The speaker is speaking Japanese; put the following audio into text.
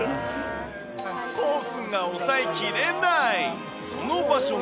興奮が抑えきれない。